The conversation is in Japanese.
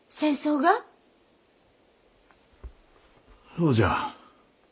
そうじゃ。